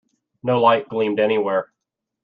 No light gleamed anywhere.